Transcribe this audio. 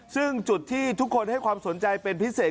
ซึ่งจุดที่ทุกคนให้ความสนใจเป็นพิเศษ